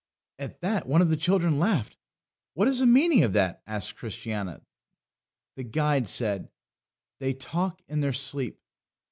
At that one of the children laughed. "What is the meaning of that?" asked Christiana. The guide said: "They talk in their sleep."